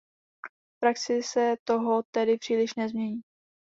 V praxi se toho tedy příliš nezmění.